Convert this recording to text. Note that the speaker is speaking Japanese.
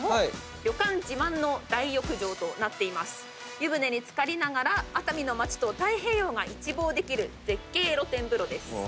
湯船に漬かりながら熱海の街と太平洋が一望できる絶景露天風呂です。